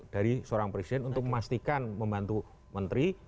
dari seorang presiden untuk memastikan membantu menteri